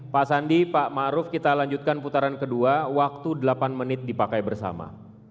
pak sandi pak ⁇ maruf ⁇ kita lanjutkan putaran kedua waktu delapan menit dipakai bersama